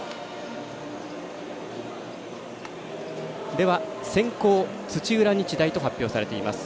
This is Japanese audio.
では、先攻土浦日大と発表されています。